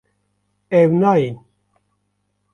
Ew nayên